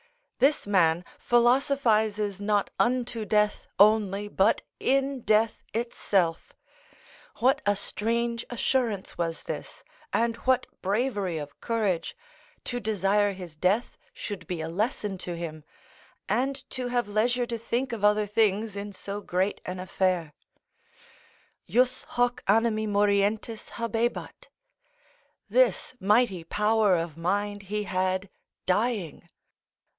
This man philosophises not unto death only, but in death itself. What a strange assurance was this, and what bravery of courage, to desire his death should be a lesson to him, and to have leisure to think of other things in so great an affair: "Jus hoc animi morientis habebat." ["This mighty power of mind he had dying."